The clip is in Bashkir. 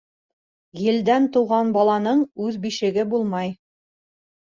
Елдән тыуған баланың үҙ бишеге булмай.